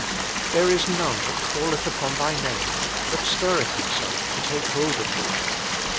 "There is none that calleth upon Thy name, that stirreth himself to take hold of Thee."